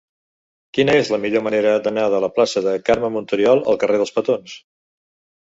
Quina és la millor manera d'anar de la plaça de Carme Montoriol al carrer dels Petons?